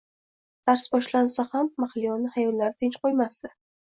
Dars boshlansa ham, Mahliyoni xayollari tinch qo`ymasdi